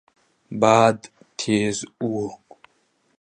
باد تېز و.